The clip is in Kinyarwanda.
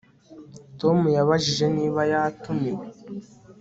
Tom yabajije niba yatumiwe